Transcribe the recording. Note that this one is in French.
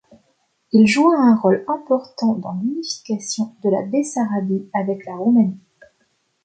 Il joua un rôle important dans l'unification de la Bessarabie avec la Roumanie.